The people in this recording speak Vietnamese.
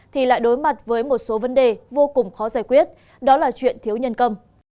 thì lại đối mặt với một số vấn đề vô cùng khó giải quyết đó là chuyện thiếu nhân công